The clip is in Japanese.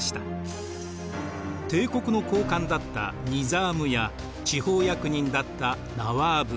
帝国の高官だったニザームや地方役人だったナワーブ